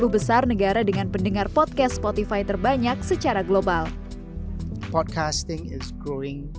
sepuluh besar negara dengan pendengar podcast spotify terbanyak secara global podcasting is growing